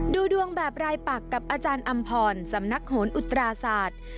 ดูดวงแบบรายปักกับอาจารย์อำพรสำนักโหนอุตราศาสตร์